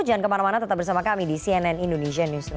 jangan kemana mana tetap bersama kami di cnn indonesia newsroom